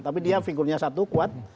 tapi dia figurnya satu kuat